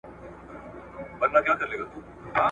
چي په منځ کي د همزولو وه ولاړه ,